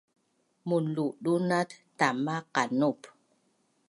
Munludunat tama qanup